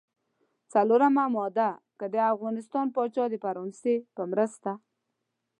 څلورمه ماده: که د افغانستان پاچا د فرانسې په مرسته.